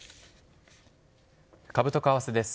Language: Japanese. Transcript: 株と為替です。